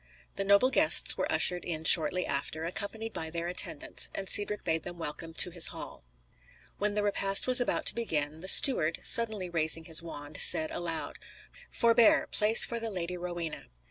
The noble guests were ushered in shortly after, accompanied by their attendants, and Cedric bade them welcome to his hall. When the repast was about to begin, the steward, suddenly raising his wand, said aloud: "Forbear! Place for the Lady Rowena."